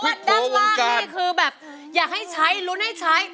เพราะว่างนี้แค่คืออยากให้ใช้รุ่นให้ใช้